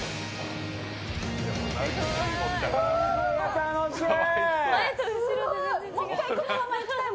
楽しい！